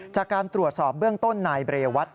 จากการตรวจสอบเบื้องต้นนายเรวัต